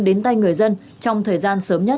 đến tay người dân trong thời gian sớm nhất